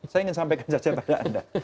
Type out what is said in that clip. saya ingin sampaikan saja tangga anda